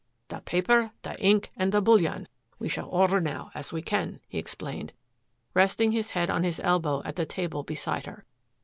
"The paper, the ink, and the bullion, we shall order now as we can," he explained, resting his head on his elbow at the table beside her.